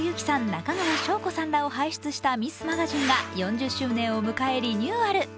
中川翔子さんらを輩出した「ミスマガジン」が４０周年を迎えリニューアル。